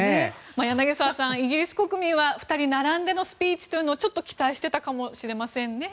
柳澤さん、イギリス国民は２人並んでのスピーチを期待していたかもしれませんね。